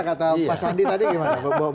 kata pak sandi tadi gimana